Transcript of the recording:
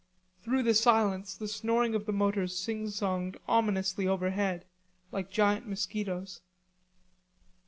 Through the silence the snoring of the motors sing songed ominously overhead, like giant mosquitoes.